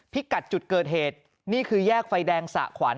พิกัดจุดเกิดเหตุนี่คือแยกไฟแดงสะขวัญ